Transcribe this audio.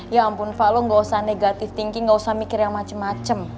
ya ampun va lo gak usah negative thinking gak usah mikir yang macem macem